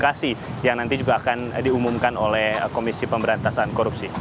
komunikasi yang nanti juga akan diumumkan oleh komisi pemberantasan korupsi